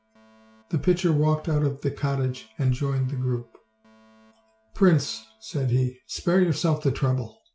The pitcher walked out of the cottage and joined the group. "Prince," said he, "spare yourself the trouble.